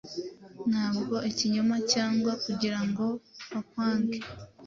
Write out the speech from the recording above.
Ntabwo ikinyoma cyangwa kugirango bakwange